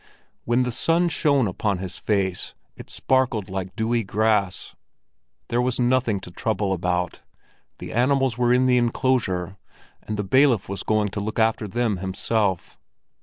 When the sun shone upon his face, it sparkled like dewy grass. There was nothing to trouble about; the animals were in the enclosure and the bailiff was going to look after them himself.